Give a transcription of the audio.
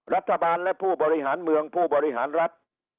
รัฐบาลและผู้บริหารเมืองผู้บริหารรัฐ